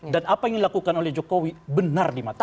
dan apa yang dilakukan oleh jokowi benar di mata mereka